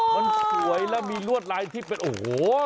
มันสวยแล้วมีลวดลายที่เป็นโอ้โห